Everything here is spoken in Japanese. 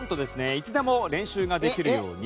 いつでも練習ができるように」